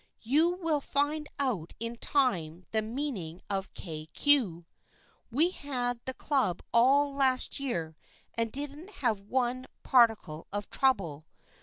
You will find out in time the mean ing of * Kay Cue.' We had the Club all last year and didn't have one particle of trouble.